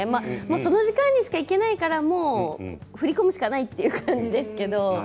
その時間にしか行けないから振り込むしかないという感じですけど。